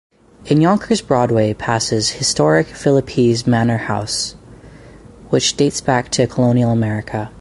In Yonkers, Broadway passes historic Philipse Manor house, which dates back to colonial America.